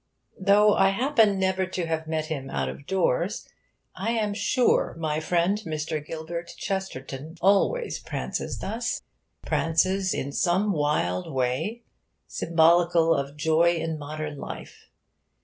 Though I happen never to have met him out of doors, I am sure my friend Mr. Gilbert Chesterton always prances thus prances in some wild way symbolical of joy in modern life.